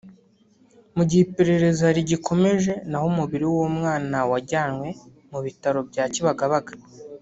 mu gihe iperereza rigikomeje naho umubiri w’umwana wajyanywe mu bitaro bya Kibagabaga